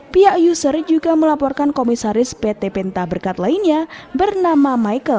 pihak user juga melaporkan komisaris pt penta berkat lainnya bernama michael